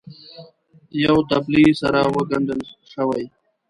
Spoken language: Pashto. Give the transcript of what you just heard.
یو دبلې سره وګنډل شوې